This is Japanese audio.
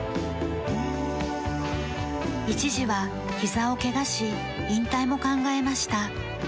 一時はひざをけがし引退も考えました。